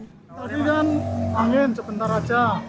tadi kan angin sebentar aja